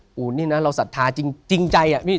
โอ้โฮนี่นะเราสัทธาจริงใจอะ